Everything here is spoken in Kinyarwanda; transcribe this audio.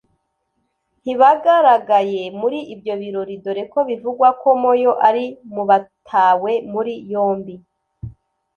ntibagaragaye muri ibyo birori dore ko bivugwa ko Moyo ari mu batawe muri yombi